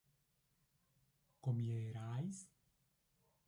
comierais